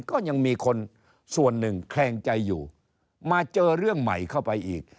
ก็ยังมีคนส่วนหนึ่งแคลงใจอยู่มาเจอเรื่องใหม่เข้าไปอีก